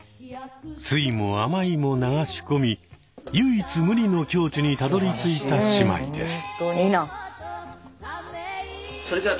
酸いも甘いも流し込み唯一無二の境地にたどりついた姉妹です。